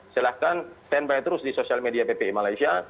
silahkan standby terus di sosial media ppi malaysia